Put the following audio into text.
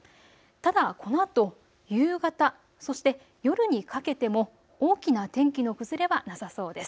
ただ、このあと夕方、そして夜にかけても大きな天気の崩れはなさそうです。